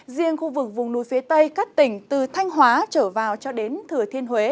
riêng khu vực vùng núi phía tây các tỉnh từ thanh hóa trở vào cho đến thừa thiên huế